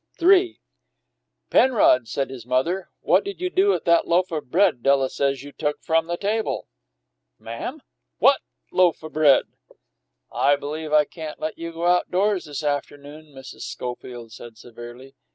III "Penrod," said his mother, "what did you do with that loaf of bread Della says you took from the table?" "Ma'am? What loaf o' bread?" "I believe I can't let you go outdoors this afternoon," Mrs. Schofield said severely.